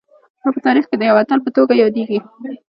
نو په تاریخ کي د یوه اتل په توګه یادیږي